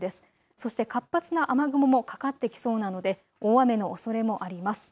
そして活発な雨雲もかかってきそうなので大雨のおそれもあります。